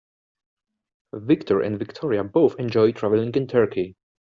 Victor and Victoria both enjoy traveling in Turkey.